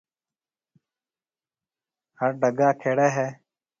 هڙ ڊگا کيڙيَ هيَ۔